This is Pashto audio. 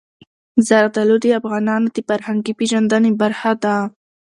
زردالو د افغانانو د فرهنګي پیژندنې برخه ده.